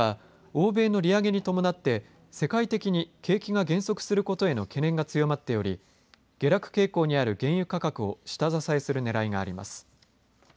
背景には欧米の利上げに伴って世界的に景気が減速することへの懸念が強まっており下落傾向にある原油価格を下支えするねらいがあります